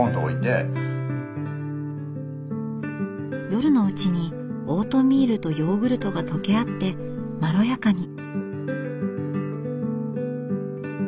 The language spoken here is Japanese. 夜のうちにオートミールとヨーグルトが溶け合ってまろやかに。